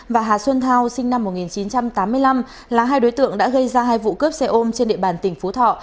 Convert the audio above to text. và hà xuân thao sinh năm một nghìn chín trăm tám mươi năm là hai đối tượng đã gây ra hai vụ cướp xe ôm trên địa bàn tỉnh phú thọ